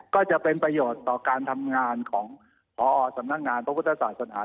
ก็จะเป็นประโยชน์ต่อการทำงานของพอสำนักงานพระพุทธศาสนา